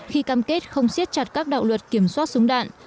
khi cam kết không xiết chặt các đạo luật kiểm soát súng đạn